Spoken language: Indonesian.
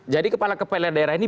jadi kepala kepala daerah ini